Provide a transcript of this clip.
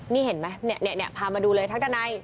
นี่เห็นไหมเนี่ยพามาดูเลยทักดนาย